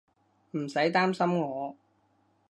唔使擔心我